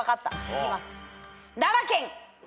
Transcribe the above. いきます。